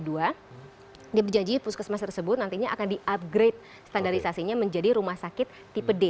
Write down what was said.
dia berjanji puskesmas tersebut nantinya akan di upgrade standarisasinya menjadi rumah sakit tipe d